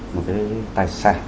một cái tài sản